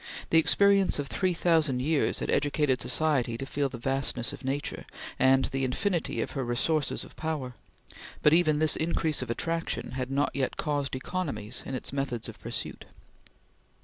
The experience of three thousand years had educated society to feel the vastness of Nature, and the infinity of her resources of power, but even this increase of attraction had not yet caused economies in its methods of pursuit.